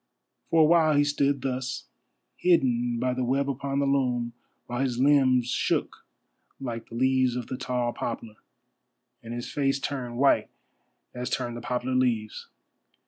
For a while he stood thus, hidden by the web upon the loom, while his limbs shook like the leaves of the tall poplar, and his face turned white as turn the poplar leaves.